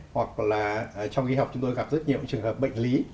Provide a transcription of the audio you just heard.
hoặc là trong y học chúng tôi gặp rất nhiều trường hợp bệnh lý